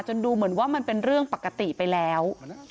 ดูเหมือนว่ามันเป็นเรื่องปกติไปแล้ว